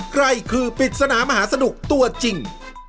ใครคือปริศนามหาสนุกตัวจริง